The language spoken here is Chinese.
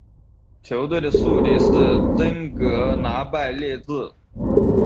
球队的宿敌是真格拿拜列治。